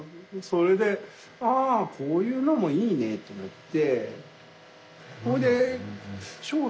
それであこういうのもいいねと思って。